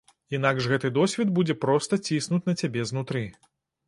Інакш гэты досвед будзе проста ціснуць на цябе знутры.